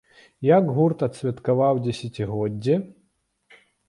Як гурт адсвяткаваў дзесяцігоддзе?